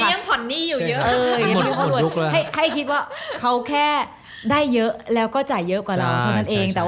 เมนิเอียงผ่อนหนี้หยุดเยอะถ้าเค้าแค่ได้เยอะแล้วก็จ่ายเยอะกว่าเราเท่านั้นเอง